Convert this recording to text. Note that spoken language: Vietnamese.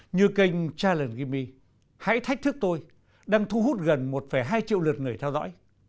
như kênh challenge me hãy thách thức tôi đang thu hút gần một hai triệu lượt người theo dõi